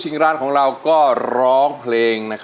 สิบนิ้วผนมและโกมลงคราบ